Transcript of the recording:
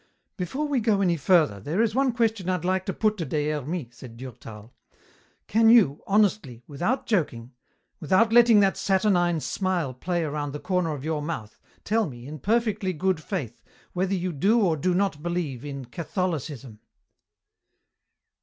"Before we go any further, there is one question I'd like to put to Des Hermies," said Durtal. "Can you, honestly, without joking, without letting that saturnine smile play around the corner of your mouth, tell me, in perfectly good faith, whether you do or do not believe in Catholicism?"